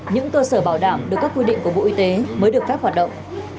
những cơ sở bảo đảm được các quy định của bộ y tế mới được phép hoạt động